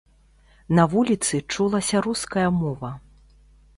На вуліцы чулася руская мова.